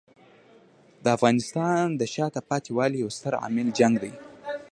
د افغانستان د شاته پاتې والي یو ستر عامل جنګ دی.